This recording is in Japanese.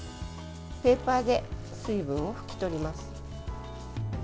ペーパーで水分を拭き取ります。